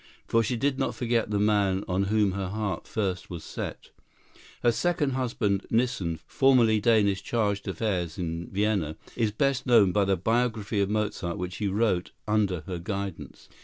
For she did not forget the man on whom her heart first was set. Her second husband, Nissen, formerly Danish chargé d'affaires in Vienna, is best known by the biography of Mozart which he wrote under her guidance.